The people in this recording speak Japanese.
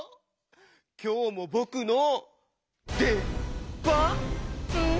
きょうもぼくのでばん？